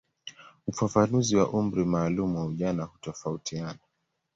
Ufafanuzi wa umri maalumu wa ujana hutofautiana.